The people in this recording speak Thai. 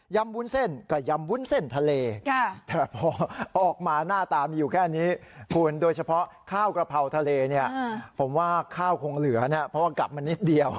วุ้นเส้นก็ยำวุ้นเส้นทะเลแต่พอออกมาหน้าตามีอยู่แค่นี้คุณโดยเฉพาะข้าวกระเพราทะเลเนี่ยผมว่าข้าวคงเหลือนะเพราะว่ากลับมานิดเดียว